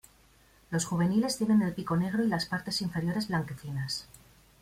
Los juveniles tienen el pico negro y las partes inferiores blanquecinas.